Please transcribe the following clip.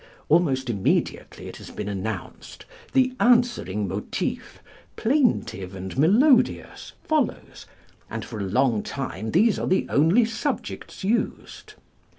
Almost immediately it has been announced the answering motif, plaintive and melodious, follows, and for a long time these are the only subjects used.